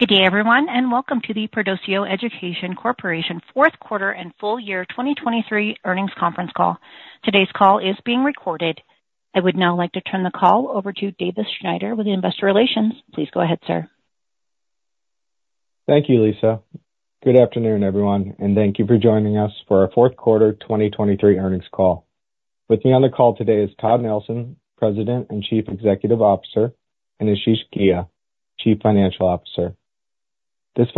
Good day, everyone, and welcome to the Perdoceo Education Corporation fourth quarter and full year 2023 earnings conference call. Today's call is being recorded. I would now like to turn the call over to Davis Snyder with Investor Relations. Please go ahead, sir. Thank you, Lisa. Good afternoon, everyone, and thank you for joining us for our fourth quarter 2023 earnings call. With me on the call today is Todd Nelson, President and Chief Executive Officer, and Ashish Ghia, Chief Financial Officer. This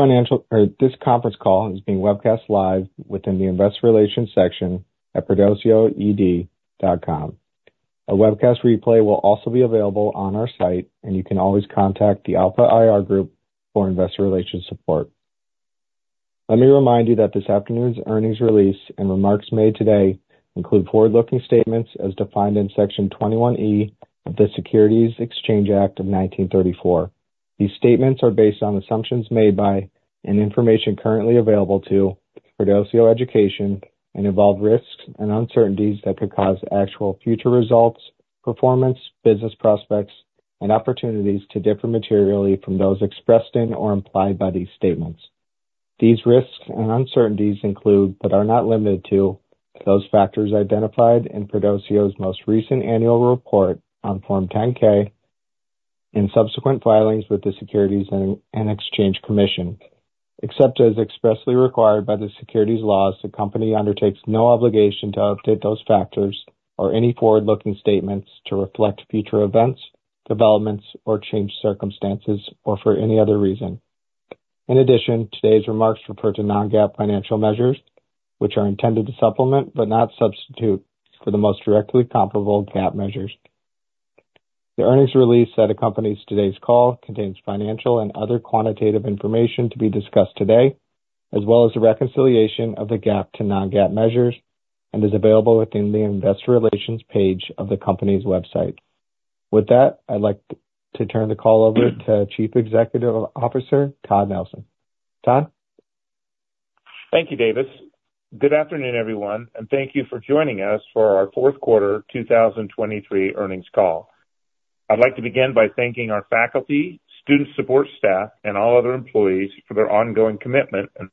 conference call is being webcast live within the Investor Relations section at PerdoceoED.com. A webcast replay will also be available on our site, and you can always contact the Alpha IR Group for Investor Relations support. Let me remind you that this afternoon's earnings release and remarks made today include forward-looking statements as defined in Section 21E of the Securities Exchange Act of 1934. These statements are based on assumptions made by and information currently available to Perdoceo Education and involve risks and uncertainties that could cause actual future results, performance, business prospects, and opportunities to differ materially from those expressed in or implied by these statements. These risks and uncertainties include but are not limited to those factors identified in Perdoceo's most recent annual report on Form 10-K and subsequent filings with the Securities and Exchange Commission, except as expressly required by the securities laws, the company undertakes no obligation to update those factors or any forward-looking statements to reflect future events, developments, or changed circumstances, or for any other reason. In addition, today's remarks refer to non-GAAP financial measures, which are intended to supplement but not substitute for the most directly comparable GAAP measures. The earnings release that accompanies today's call contains financial and other quantitative information to be discussed today, as well as a reconciliation of the GAAP to non-GAAP measures, and is available within the Investor Relations page of the company's website. With that, I'd like to turn the call over to Chief Executive Officer Todd Nelson. Todd? Thank you, Davis. Good afternoon, everyone, and thank you for joining us for our fourth quarter 2023 earnings call. I'd like to begin by thanking our faculty, student support staff, and all other employees for their ongoing commitment and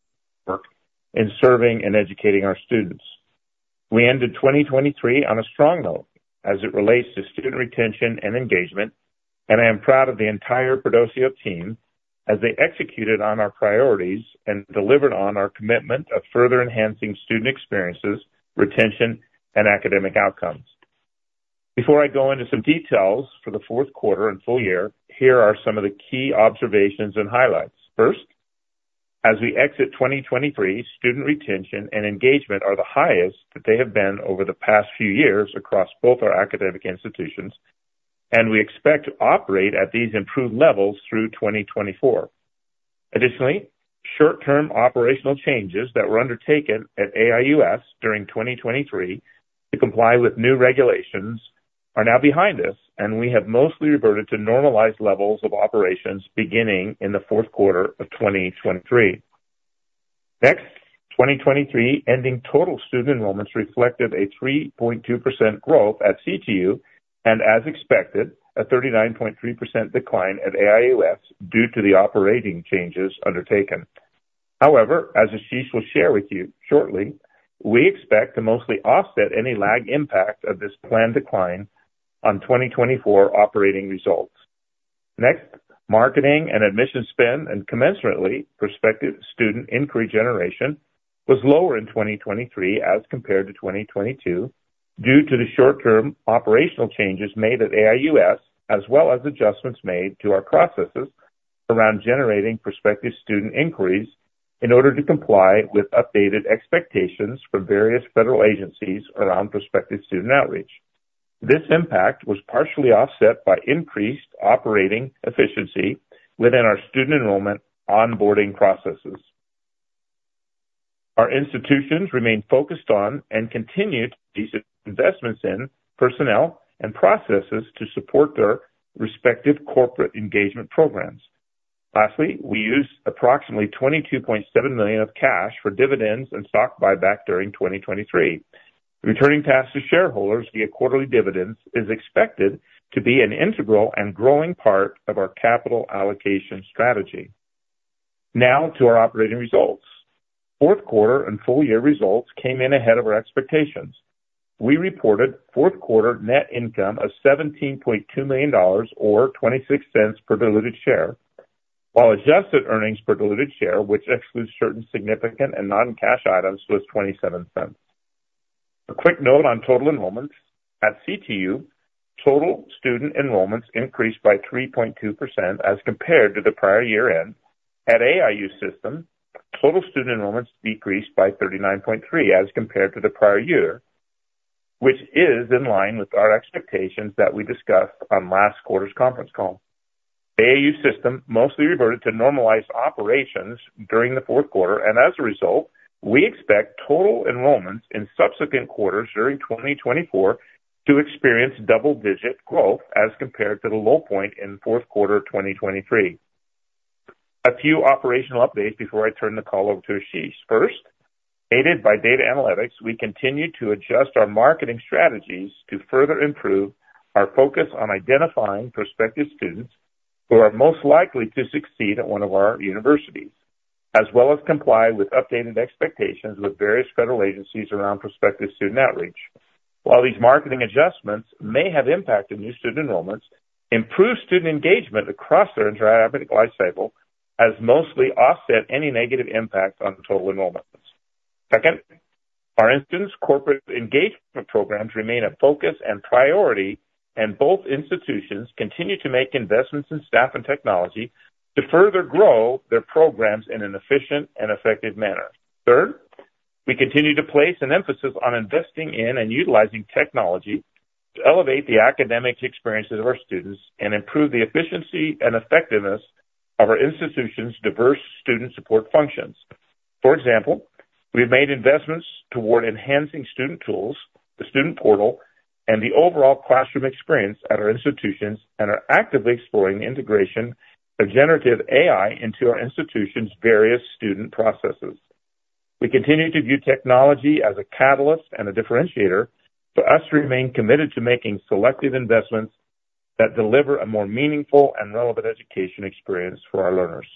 work in serving and educating our students. We ended 2023 on a strong note as it relates to student retention and engagement, and I am proud of the entire Perdoceo team as they executed on our priorities and delivered on our commitment of further enhancing student experiences, retention, and academic outcomes. Before I go into some details for the fourth quarter and full year, here are some of the key observations and highlights. First, as we exit 2023, student retention and engagement are the highest that they have been over the past few years across both our academic institutions, and we expect to operate at these improved levels through 2024. Additionally, short-term operational changes that were undertaken at AIUS during 2023 to comply with new regulations are now behind us, and we have mostly reverted to normalized levels of operations beginning in the fourth quarter of 2023. Next, 2023 ending total student enrollments reflected a 3.2% growth at CTU and, as expected, a 39.3% decline at AIUS due to the operating changes undertaken. However, as Ashish will share with you shortly, we expect to mostly offset any lag impact of this planned decline on 2024 operating results. Next, marketing and admission spend, and commensurately, prospective student inquiry generation was lower in 2023 as compared to 2022 due to the short-term operational changes made at AIUS, as well as adjustments made to our processes around generating prospective student inquiries in order to comply with updated expectations from various federal agencies around prospective student outreach. This impact was partially offset by increased operating efficiency within our student enrollment onboarding processes. Our institutions remain focused on and continue to decrease investments in personnel and processes to support their respective corporate engagement programs. Lastly, we used approximately $22.7 million of cash for dividends and stock buyback during 2023. Returning cash to shareholders via quarterly dividends is expected to be an integral and growing part of our capital allocation strategy. Now to our operating results. Fourth quarter and full year results came in ahead of our expectations. We reported fourth quarter net income of $17.2 million or $0.26 per diluted share, while adjusted earnings per diluted share, which excludes certain significant and non-cash items, was $0.27. A quick note on total enrollments. At CTU, total student enrollments increased by 3.2% as compared to the prior year-end. At AIU System, total student enrollments decreased by 39.3% as compared to the prior year, which is in line with our expectations that we discussed on last quarter's conference call. AIU System mostly reverted to normalized operations during the fourth quarter, and as a result, we expect total enrollments in subsequent quarters during 2024 to experience double-digit growth as compared to the low point in fourth quarter 2023. A few operational updates before I turn the call over to Ashish. First, aided by data analytics, we continue to adjust our marketing strategies to further improve our focus on identifying prospective students who are most likely to succeed at one of our universities, as well as comply with updated expectations with various federal agencies around prospective student outreach. While these marketing adjustments may have impacted new student enrollments, improved student engagement across their entire academic life cycle has mostly offset any negative impact on total enrollments. Second, our institutional corporate engagement programs remain a focus and priority, and both institutions continue to make investments in staff and technology to further grow their programs in an efficient and effective manner. Third, we continue to place an emphasis on investing in and utilizing technology to elevate the academic experiences of our students and improve the efficiency and effectiveness of our institution's diverse student support functions. For example, we've made investments toward enhancing student tools, the student portal, and the overall classroom experience at our institutions and are actively exploring the integration of generative AI into our institution's various student processes. We continue to view technology as a catalyst and a differentiator for us to remain committed to making selective investments that deliver a more meaningful and relevant education experience for our learners.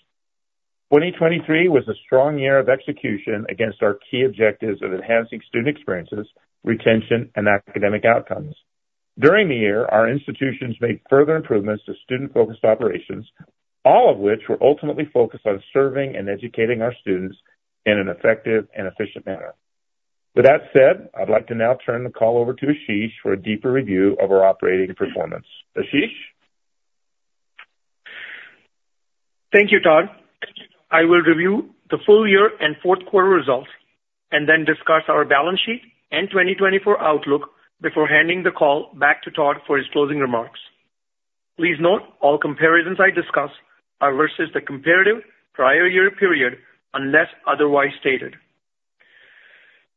2023 was a strong year of execution against our key objectives of enhancing student experiences, retention, and academic outcomes. During the year, our institutions made further improvements to student-focused operations, all of which were ultimately focused on serving and educating our students in an effective and efficient manner. With that said, I'd like to now turn the call over to Ashish for a deeper review of our operating performance. Ashish? Thank you, Todd. I will review the full year and fourth quarter results and then discuss our balance sheet and 2024 outlook before handing the call back to Todd for his closing remarks. Please note all comparisons I discuss are versus the comparative prior year period unless otherwise stated.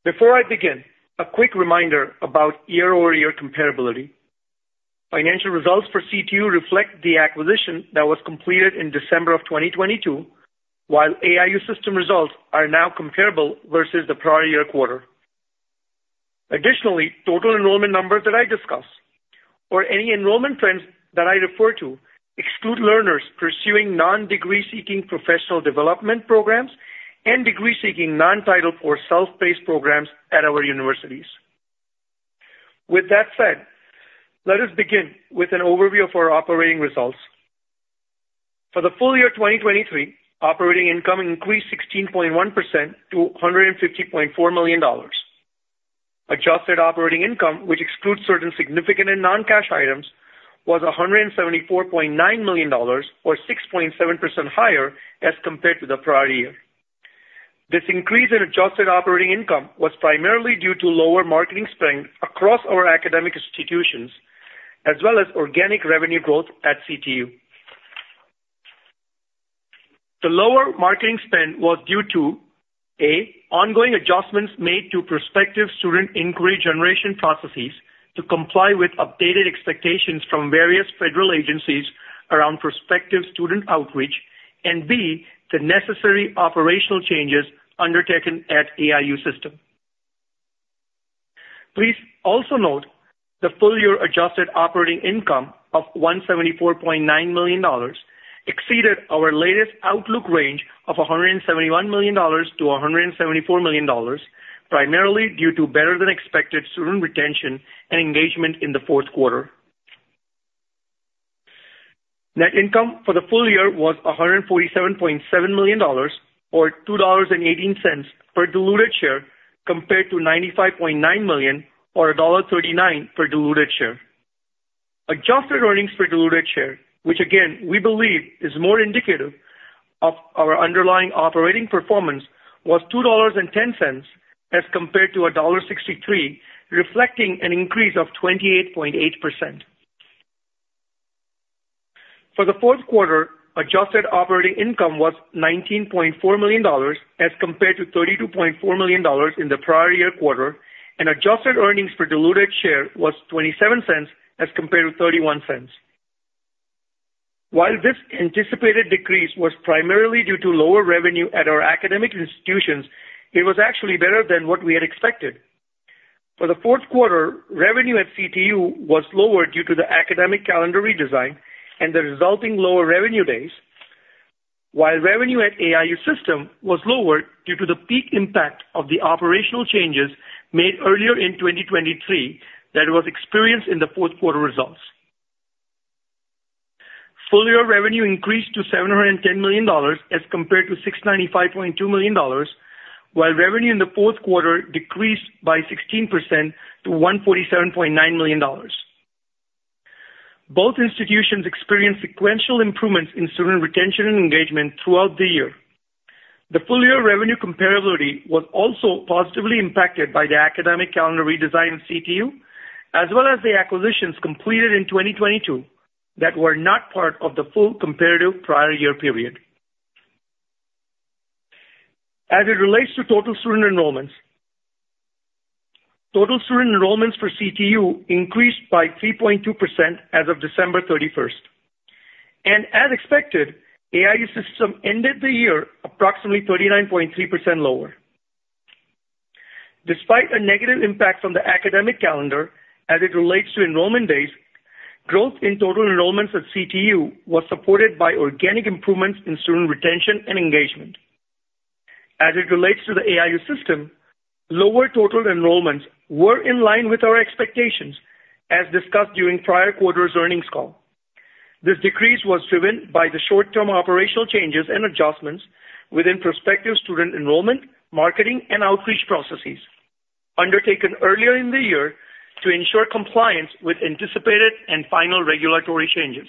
Before I begin, a quick reminder about year-over-year comparability. Financial results for CTU reflect the acquisition that was completed in December of 2022, while AIU System results are now comparable versus the prior year quarter. Additionally, total enrollment numbers that I discuss or any enrollment trends that I refer to exclude learners pursuing non-degree-seeking professional development programs and degree-seeking non-Title IV or self-paced programs at our universities. With that said, let us begin with an overview of our operating results. For the full year 2023, operating income increased 16.1% to $150.4 million. Adjusted operating income, which excludes certain significant and non-cash items, was $174.9 million or 6.7% higher as compared to the prior year. This increase in adjusted operating income was primarily due to lower marketing spend across our academic institutions as well as organic revenue growth at CTU. The lower marketing spend was due to, A, ongoing adjustments made to prospective student inquiry generation processes to comply with updated expectations from various federal agencies around prospective student outreach, and B, the necessary operational changes undertaken at AIU System. Please also note the full year adjusted operating income of $174.9 million exceeded our latest outlook range of $171 million-$174 million, primarily due to better-than-expected student retention and engagement in the fourth quarter. Net income for the full year was $147.7 million or $2.18 per diluted share compared to $95.9 million or $1.39 per diluted share. Adjusted earnings per diluted share, which again we believe is more indicative of our underlying operating performance, was $2.10 as compared to $1.63, reflecting an increase of 28.8%. For the fourth quarter, adjusted operating income was $19.4 million as compared to $32.4 million in the prior year quarter, and adjusted earnings per diluted share was $0.27 as compared to $0.31. While this anticipated decrease was primarily due to lower revenue at our academic institutions, it was actually better than what we had expected. For the fourth quarter, revenue at CTU was lowered due to the academic calendar redesign and the resulting lower revenue days, while revenue at AIU System was lowered due to the peak impact of the operational changes made earlier in 2023 that was experienced in the fourth quarter results. Full-year revenue increased to $710 million as compared to $695.2 million, while revenue in the fourth quarter decreased by 16% to $147.9 million. Both institutions experienced sequential improvements in student retention and engagement throughout the year. The full-year revenue comparability was also positively impacted by the academic calendar redesign at CTU as well as the acquisitions completed in 2022 that were not part of the full comparative prior year period. As it relates to total student enrollments, total student enrollments for CTU increased by 3.2% as of December 31st. As expected, AIU System ended the year approximately 39.3% lower. Despite a negative impact from the academic calendar as it relates to enrollment days, growth in total enrollments at CTU was supported by organic improvements in student retention and engagement. As it relates to the AIU System, lower total enrollments were in line with our expectations as discussed during prior quarter's earnings call. This decrease was driven by the short-term operational changes and adjustments within prospective student enrollment, marketing, and outreach processes undertaken earlier in the year to ensure compliance with anticipated and final regulatory changes.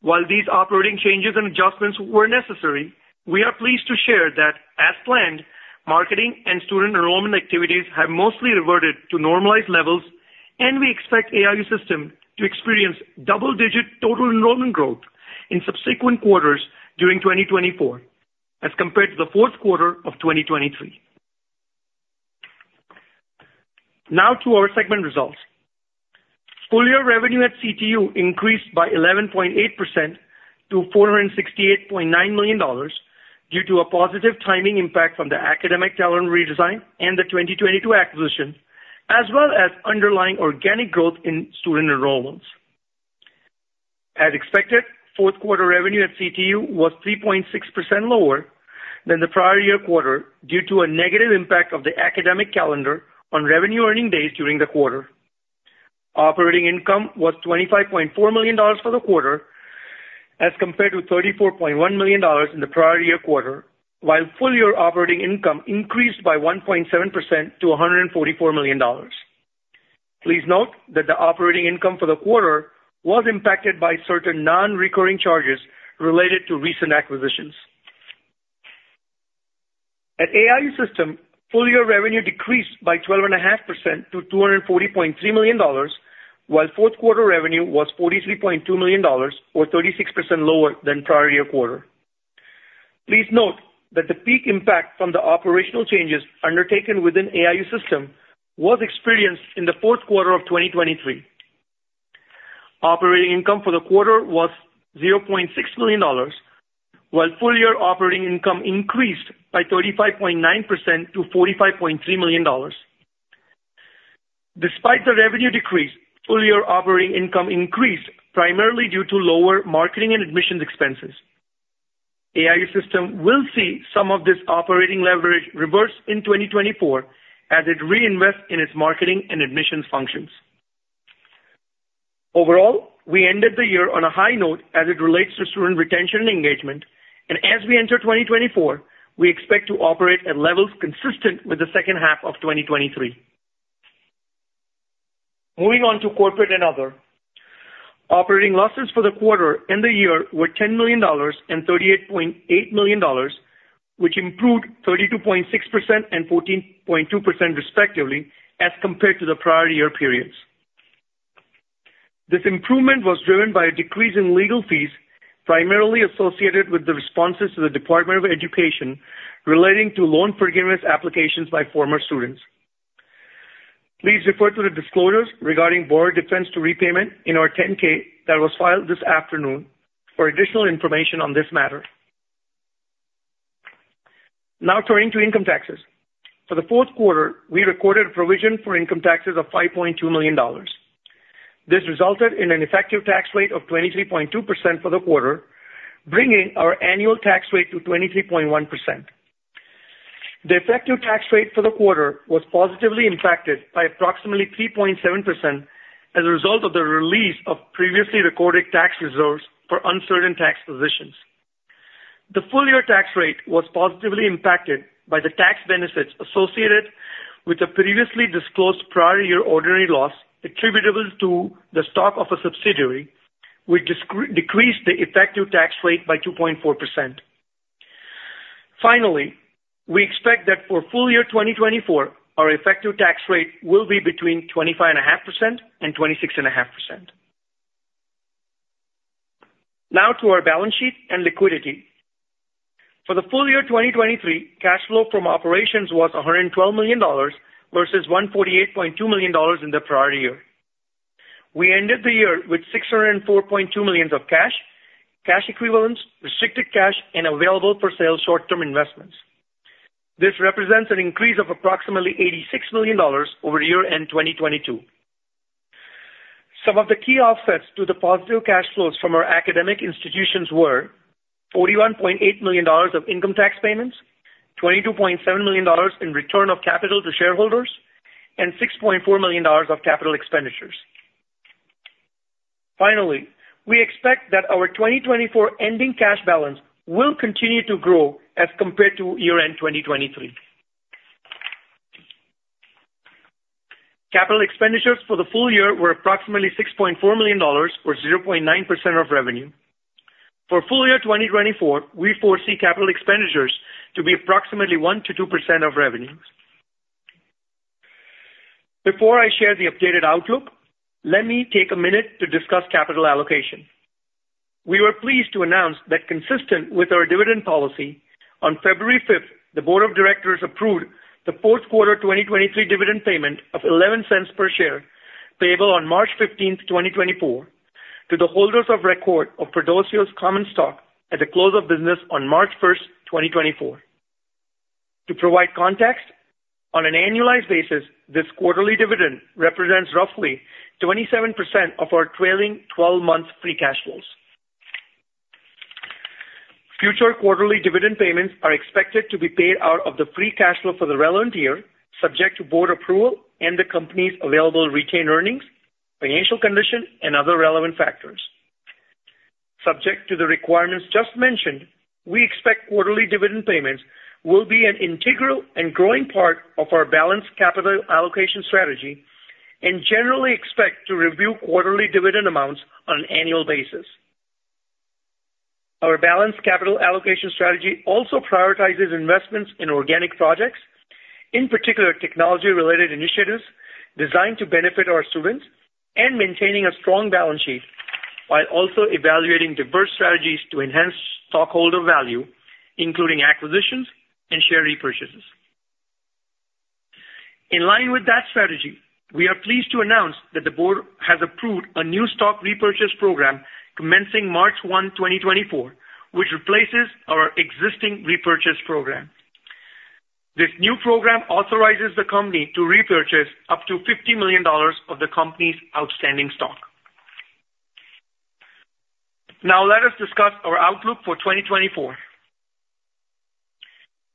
While these operating changes and adjustments were necessary, we are pleased to share that as planned, marketing and student enrollment activities have mostly reverted to normalized levels, and we expect AIU System to experience double-digit total enrollment growth in subsequent quarters during 2024 as compared to the fourth quarter of 2023. Now to our segment results. Full year revenue at CTU increased by 11.8% to $468.9 million due to a positive timing impact from the academic calendar redesign and the 2022 acquisition, as well as underlying organic growth in student enrollments. As expected, fourth quarter revenue at CTU was 3.6% lower than the prior year quarter due to a negative impact of the academic calendar on revenue earning days during the quarter. Operating income was $25.4 million for the quarter as compared to $34.1 million in the prior year quarter, while full year operating income increased by 1.7% to $144 million. Please note that the operating income for the quarter was impacted by certain non-recurring charges related to recent acquisitions. At AIU System, full year revenue decreased by 12.5% to $240.3 million, while fourth quarter revenue was $43.2 million or 36% lower than prior year quarter. Please note that the peak impact from the operational changes undertaken within AIU System was experienced in the fourth quarter of 2023. Operating income for the quarter was $0.6 million, while full year operating income increased by 35.9% to $45.3 million. Despite the revenue decrease, full year operating income increased primarily due to lower marketing and admissions expenses. AIU System will see some of this operating leverage reverse in 2024 as it reinvests in its marketing and admissions functions. Overall, we ended the year on a high note as it relates to student retention and engagement. As we enter 2024, we expect to operate at levels consistent with the second half of 2023. Moving on to corporate and other. Operating losses for the quarter and the year were $10 million and $38.8 million, which improved 32.6% and 14.2% respectively as compared to the prior year periods. This improvement was driven by a decrease in legal fees primarily associated with the responses to the Department of Education relating to loan forgiveness applications by former students. Please refer to the disclosures regarding Borrower Defense to Repayment in our 10-K that was filed this afternoon for additional information on this matter. Now turning to income taxes. For the fourth quarter, we recorded a provision for income taxes of $5.2 million. This resulted in an effective tax rate of 23.2% for the quarter, bringing our annual tax rate to 23.1%. The effective tax rate for the quarter was positively impacted by approximately 3.7% as a result of the release of previously recorded tax reserves for uncertain tax positions. The full year tax rate was positively impacted by the tax benefits associated with the previously disclosed prior year ordinary loss attributable to the stock of a subsidiary, which decreased the effective tax rate by 2.4%. Finally, we expect that for full year 2024, our effective tax rate will be between 25.5%-26.5%. Now to our balance sheet and liquidity. For the full year 2023, cash flow from operations was $112 million versus $148.2 million in the prior year. We ended the year with $604.2 million of cash, cash equivalents, restricted cash, and available-for-sale short-term investments. This represents an increase of approximately $86 million over year-end 2022. Some of the key offsets to the positive cash flows from our academic institutions were $41.8 million of income tax payments, $22.7 million in return of capital to shareholders, and $6.4 million of capital expenditures. Finally, we expect that our 2024 ending cash balance will continue to grow as compared to year-end 2023. Capital expenditures for the full year were approximately $6.4 million or 0.9% of revenue. For full year 2024, we foresee capital expenditures to be approximately 1%-2% of revenue. Before I share the updated outlook, let me take a minute to discuss capital allocation. We were pleased to announce that consistent with our dividend policy, on February 5th, the Board of Directors approved the fourth quarter 2023 dividend payment of $0.11 per share payable on March 15th, 2024, to the holders of record of Perdoceo's common stock at the close of business on March 1st, 2024. To provide context, on an annualized basis, this quarterly dividend represents roughly 27% of our trailing 12-month free cash flows. Future quarterly dividend payments are expected to be paid out of the free cash flow for the relevant year, subject to board approval and the company's available retained earnings, financial condition, and other relevant factors. Subject to the requirements just mentioned, we expect quarterly dividend payments will be an integral and growing part of our balanced capital allocation strategy and generally expect to review quarterly dividend amounts on an annual basis. Our balanced capital allocation strategy also prioritizes investments in organic projects, in particular technology-related initiatives designed to benefit our students, and maintaining a strong balance sheet while also evaluating diverse strategies to enhance stockholder value, including acquisitions and share repurchases. In line with that strategy, we are pleased to announce that the board has approved a new stock repurchase program commencing March 1, 2024, which replaces our existing repurchase program. This new program authorizes the company to repurchase up to $50 million of the company's outstanding stock. Now let us discuss our outlook for 2024.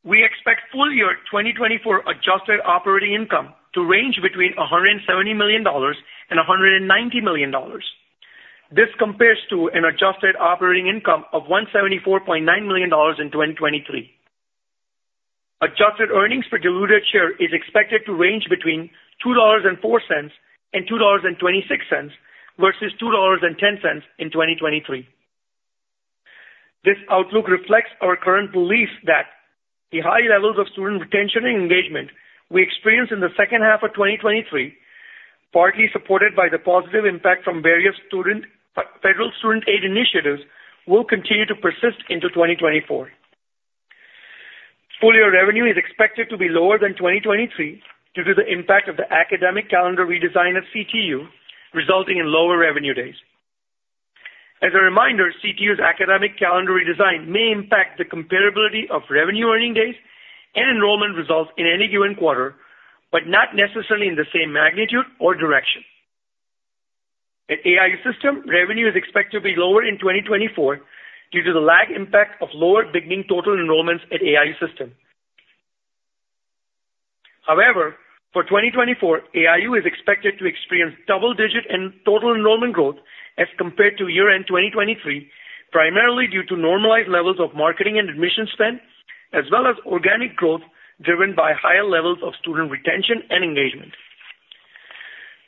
We expect full year 2024 adjusted operating income to range between $170 million-$190 million. This compares to an Adjusted Operating Income of $174.9 million in 2023. Adjusted Earnings Per Diluted Share is expected to range between $2.04 and $2.26 versus $2.10 in 2023. This outlook reflects our current belief that the high levels of student retention and engagement we experience in the second half of 2023, partly supported by the positive impact from various federal student aid initiatives, will continue to persist into 2024. Full year revenue is expected to be lower than 2023 due to the impact of the academic calendar redesign at CTU resulting in lower revenue days. As a reminder, CTU's academic calendar redesign may impact the comparability of revenue earning days and enrollment results in any given quarter, but not necessarily in the same magnitude or direction. At AIU System, revenue is expected to be lower in 2024 due to the lag impact of lower beginning total enrollments at AIU System. However, for 2024, AIU is expected to experience double-digit and total enrollment growth as compared to year-end 2023, primarily due to normalized levels of marketing and admissions spend as well as organic growth driven by higher levels of student retention and engagement.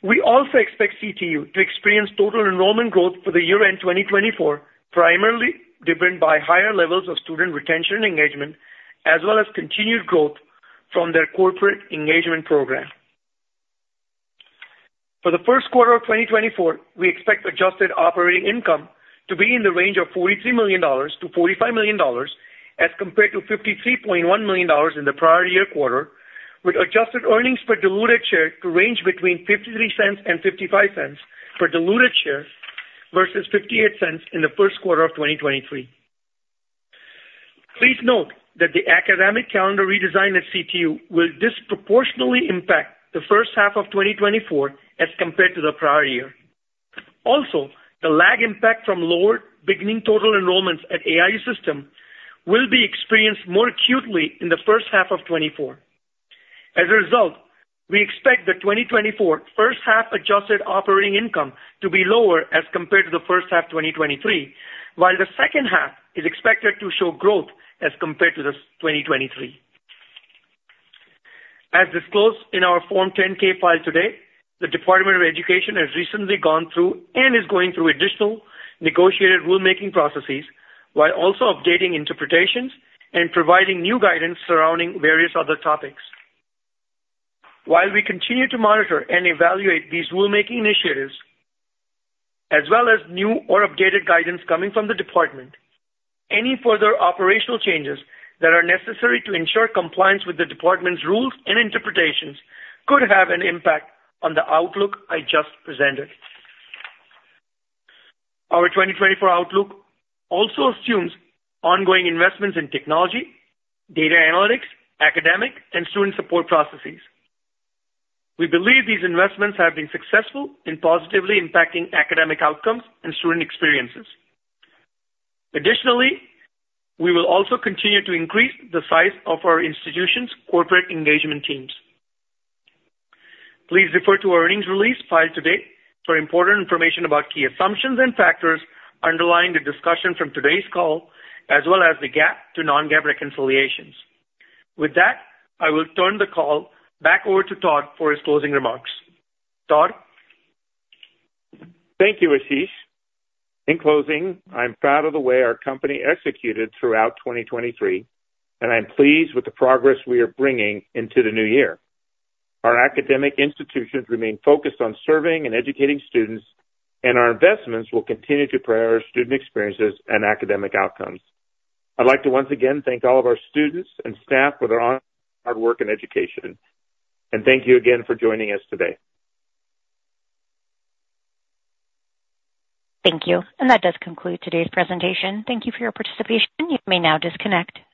We also expect CTU to experience total enrollment growth for the year-end 2024, primarily driven by higher levels of student retention and engagement as well as continued growth from their corporate engagement program. For the first quarter of 2024, we expect adjusted operating income to be in the range of $43 million-$45 million as compared to $53.1 million in the prior year quarter, with adjusted earnings per diluted share to range between $0.53 and $0.55 per diluted share versus $0.58 in the first quarter of 2023. Please note that the academic calendar redesign at CTU will disproportionately impact the first half of 2024 as compared to the prior year. Also, the lag impact from lower beginning total enrollments at AIU System will be experienced more acutely in the first half of 2024. As a result, we expect the 2024 first half adjusted operating income to be lower as compared to the first half of 2023, while the second half is expected to show growth as compared to the 2023. As disclosed in our Form 10-K filed today, the Department of Education has recently gone through and is going through additional negotiated rulemaking processes while also updating interpretations and providing new guidance surrounding various other topics. While we continue to monitor and evaluate these rulemaking initiatives as well as new or updated guidance coming from the department, any further operational changes that are necessary to ensure compliance with the department's rules and interpretations could have an impact on the outlook I just presented. Our 2024 outlook also assumes ongoing investments in technology, data analytics, academic, and student support processes. We believe these investments have been successful in positively impacting academic outcomes and student experiences. Additionally, we will also continue to increase the size of our institution's corporate engagement teams. Please refer to our earnings release filed today for important information about key assumptions and factors underlying the discussion from today's call as well as the GAAP to non-GAAP reconciliations. With that, I will turn the call back over to Todd for his closing remarks. Todd. Thank you, Ashish. In closing, I'm proud of the way our company executed throughout 2023, and I'm pleased with the progress we are bringing into the new year. Our academic institutions remain focused on serving and educating students, and our investments will continue to prioritize student experiences and academic outcomes. I'd like to once again thank all of our students and staff for their honor, hard work, and education. And thank you again for joining us today. Thank you. That does conclude today's presentation. Thank you for your participation. You may now disconnect.